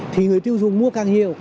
thì người tiêu dùng mua càng nhiều